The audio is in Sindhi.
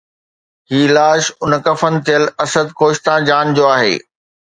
هي لاش اڻ کفن ٿيل اسد خوشتا جان جو آهي